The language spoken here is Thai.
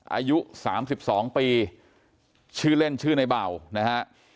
อายุสามสิบสองปีชื่อเล่นชื่อในเบานะฮะ